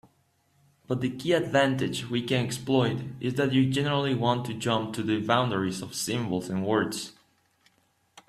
But the key advantage we can exploit is that you generally want to jump to the boundaries of symbols and words.